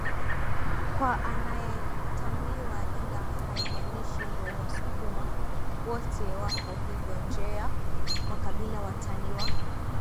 kwa anaetaniwa ila haimaanishi ndo wasukuma wote wapo hivyoNje ya makabila watani wa